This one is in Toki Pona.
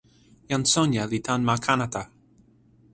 jan Sonja li tan ma Kanata.